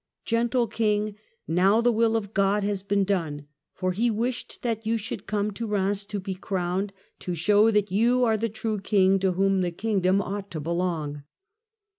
" Gentle King, now the will of God has been done, for He wished that you should come to Kheims to be crowned, to show that you are the true King to whom the Kingdom ought to belong."